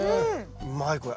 うまいこれ。